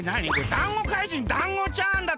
だんご怪人だんごちゃんだって。